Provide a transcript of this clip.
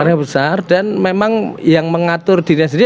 negara besar dan memang yang mengatur dirinya sendiri